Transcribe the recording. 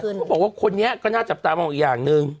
เขาบอกว่าคนนี้ก็น่าจับตามองอีกอย่างหนึ่ง